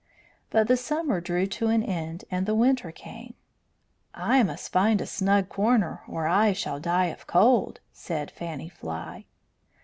But the summer drew to an end, and the winter came. "I must find a snug corner, or I shall die of cold," said Fanny Fly.